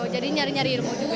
jadi nyari nyari ilmu juga gitu